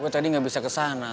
gue tadi gak bisa ke sana